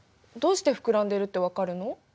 どうして膨らんでいるって分かるの？